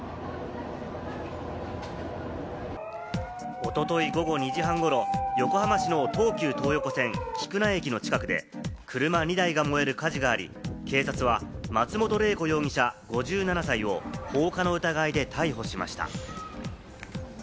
一昨日午後２時半頃、横浜市の東急東横線・菊名駅の近くで、車２台が燃える火事があり、警察は松本玲子容疑者、５７歳を放火の疑いで逮捕しました。